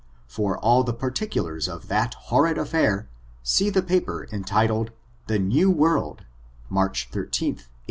For all the particu* lars of that horrid affair, see the paper entitled *'The New World," March 13, 1841.